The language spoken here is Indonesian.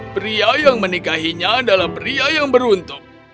pria yang menikahinya adalah pria yang beruntung